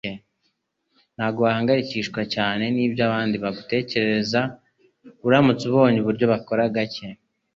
Ntabwo wahangayikishwa cyane nibyo abandi bagutekereza uramutse ubonye uburyo bakora gake.”